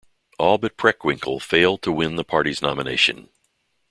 All but Preckwinkle failed to win the party's nomination.